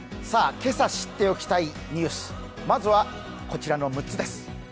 今朝知っておきたいニュース、まずは、こちらの６つです。